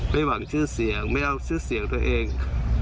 หวังชื่อเสียงไม่เอาชื่อเสียงตัวเอง